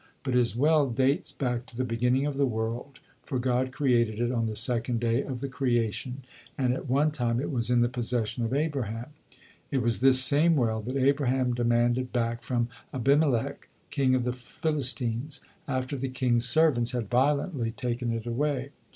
But his well dates back to the beginning of the world, for God created it on the second day of the creation, and at one time it was in the possession of Abraham. It was this same well that Abraham demanded back from Abimelech, king of the Philistines, after the king's servants had violently taken it away.